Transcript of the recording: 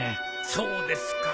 そうですか。